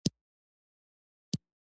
خدای ج مو ساتندویه اوسه